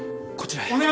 こちらへ。